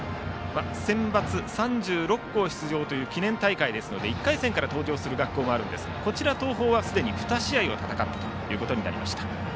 センバツ３６校出場という記念大会ですので１回戦から登場する学校もありますがこちら、東邦はすでに２試合を戦っています。